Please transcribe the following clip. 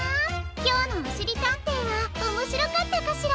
きょうの「おしりたんてい」はおもしろかったかしら？